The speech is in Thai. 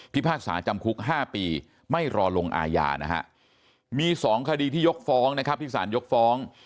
พากษาจำคุก๕ปีไม่รอลงอาญานะฮะมี๒คดีที่ยกฟ้องนะครับที่สารยกฟ้อง